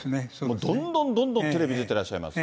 どんどんどんどんテレビ出てらっしゃいます。